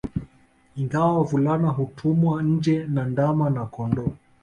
Ingawa wavulana hutumwa nje na ndama na kondooo